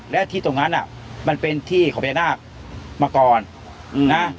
และที่ตรงนั้นอ่ะมันเป็นที่ของพญานาคมาก่อนนะ